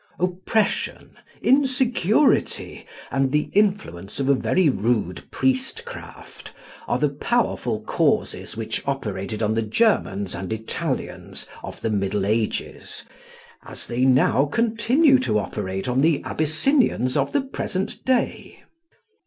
Oppression, insecurity, and the influence of a very rude priestcraft, are the powerful causes which operated on the Germans and Italians of the Middle Ages, as they now continue to operate on the Abyssinians of the present day.